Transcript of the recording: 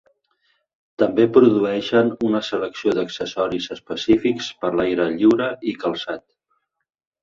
També produeixen una selecció d'accessoris específics per l'aire lliure i calçat.